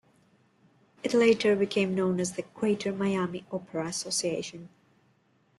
It later became known as the Greater Miami Opera Association.